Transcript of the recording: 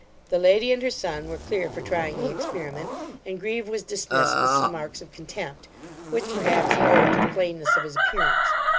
The lady and her son were clear for trying the experiment; and Grieve was dismissed with some marks of contempt, which, perhaps, he owed to the plainness of his appearance.